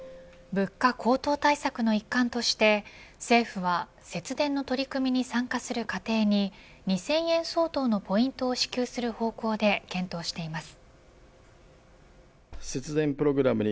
物価高騰対策の一環として政府は、節電の取り組みに参加する家庭に２０００円相当のポイントを支給する方向で検討しています。